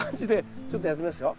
ちょっとやってみますよ。